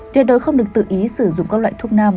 tuyệt đối không được tự ý sử dụng các loại thuốc nam